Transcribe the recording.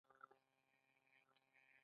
د دې ډول افرادو شمېره ډېره کمه ده